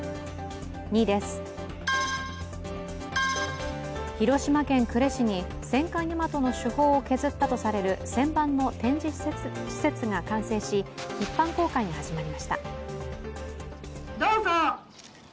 ２位です、広島県呉市に戦艦「大和」の主砲を削ったとされる旋盤の展示施設が完成し、一般公開が始まりました。